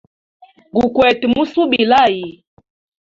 Gukwete musubila hayi.